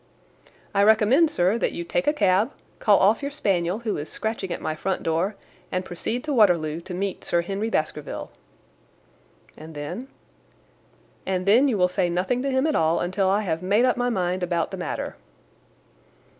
"I recommend, sir, that you take a cab, call off your spaniel who is scratching at my front door, and proceed to Waterloo to meet Sir Henry Baskerville." "And then?" "And then you will say nothing to him at all until I have made up my mind about the matter."